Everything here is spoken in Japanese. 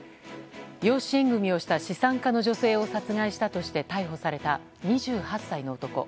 養子縁組をした資産家の女性を殺害したとして逮捕された２８歳の男。